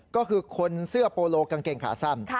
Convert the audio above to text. ก็คือคนเสื้อโปโลกางเกงขาสั้น